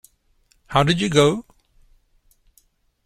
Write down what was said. How did you go?